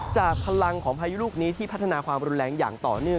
จากพลังของพายุลูกนี้ที่พัฒนาความรุนแรงอย่างต่อเนื่อง